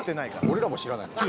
俺らも知らないもん。